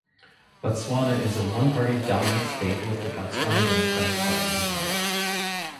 Botswana is a one party dominant state with the Botswana Democratic Party in power.